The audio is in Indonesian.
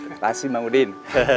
terima kasih mak udin